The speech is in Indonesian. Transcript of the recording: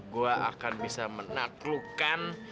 gue akan bisa menaklukkan